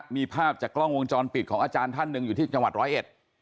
มีภาพจากกล้องวงจรปิดของอาจารย์ท่านหนึ่งอยู่ที่จังหวัดร้อยเอ็ด